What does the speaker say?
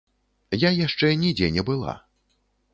Я яшчэ нідзе не была.